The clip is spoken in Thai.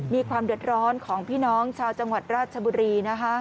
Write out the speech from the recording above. มีความเดือดร้อนของพี่น้องชาวจังหวัดราชบุรี